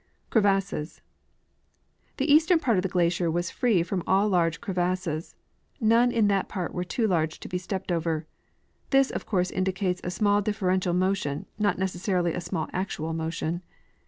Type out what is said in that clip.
Crevasses. The eastern })art of the glacier Avas free from all large crevasses ; none in this part were too large to be stepped over. This, of course, indicates a small differential motion, not necessarily a small actual motion.